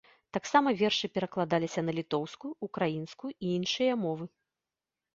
Таксама вершы перакладаліся на літоўскую, украінскую і іншыя мовы.